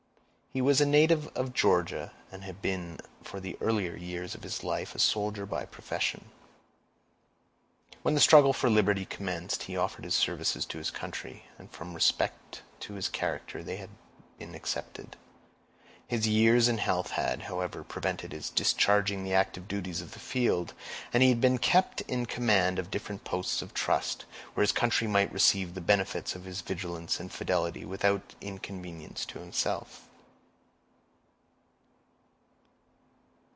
He was a native of Georgia, and had been for the earlier years of his life a soldier by profession. When the struggle for liberty commenced, he offered his services to his country, and from respect to his character they had been accepted. His years and health had, however, prevented his discharging the active duties of the field, and he had been kept in command of different posts of trust, where his country might receive the benefits of his vigilance and fidelity without inconvenience to himself.